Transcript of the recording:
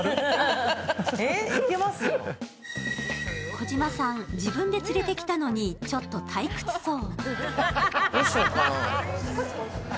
児嶋さん、自分で連れてきたのにちょっと退屈そう。